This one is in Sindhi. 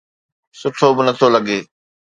سٺو به نٿو لڳي.